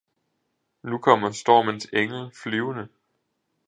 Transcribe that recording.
nu kommer stormens engel flyvende!